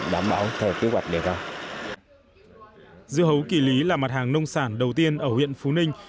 dưa hấu kỳ lý là mặt hàng nông sản đầu tiên ở huyện phú ninh